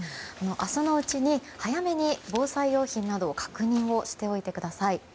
明日のうちに早めに防災用品など確認をしておいてください。